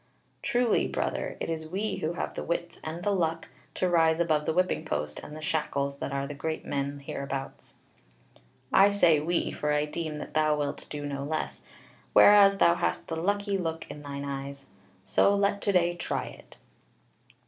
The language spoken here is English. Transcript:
Truly, brother, it is we who have the wits and the luck to rise above the whipping post and the shackles that are the great men hereabouts. I say we, for I deem that thou wilt do no less, whereas thou hast the lucky look in thine eyes. So let to day try it."